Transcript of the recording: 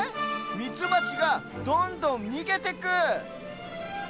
ミツバチがどんどんにげてく！